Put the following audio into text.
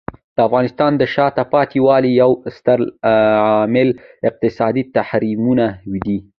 د افغانستان د شاته پاتې والي یو ستر عامل اقتصادي تحریمونه دي.